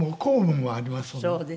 そうですね。